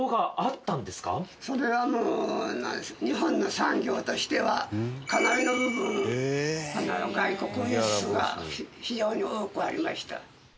それはもう日本の産業としてはかなりの部分外国輸出が非常に多くありました。